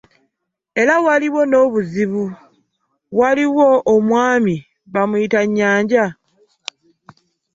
Era waaliwo awo n’obuzibu, waliwo awo omwami bamuyita Nnyanja?